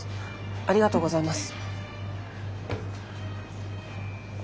ありがとうございます。